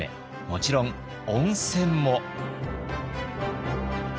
もちろん温泉も。